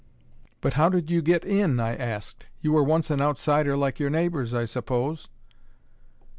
"But how did you get in?" I asked. "You were once an outsider like your neighbours, I suppose?"